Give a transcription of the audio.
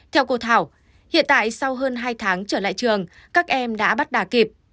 theo cô thảo hiện tại sau hơn hai tháng trở lại trường các em đã bắt đà kịp